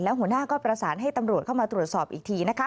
หัวหน้าก็ประสานให้ตำรวจเข้ามาตรวจสอบอีกทีนะคะ